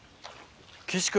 岸君。